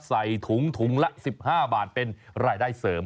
ใส่ถุงถุงละ๑๕บาทเป็นรายได้เสริม